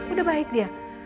udah baik dia